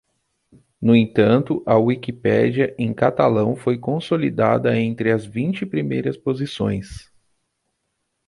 No entanto, a Wikipédia em catalão foi consolidada entre as vinte primeiras posições.